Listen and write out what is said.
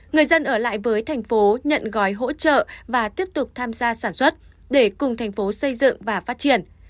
người dân ở lại với thành phố nhận gói hỗ trợ và tiếp tục tham gia sản xuất để cùng thành phố xây dựng và phát triển